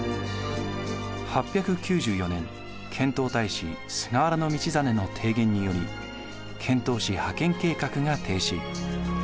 ８９４年遣唐大使菅原道真の提言により遣唐使派遣計画が停止。